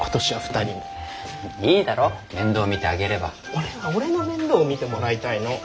俺は俺の面倒を見てもらいたいの！